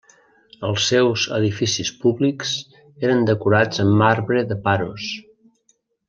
Els seus edificis públics eren decorats amb marbre de Paros.